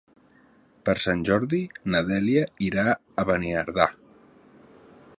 Per Sant Jordi na Dèlia irà a Beniardà.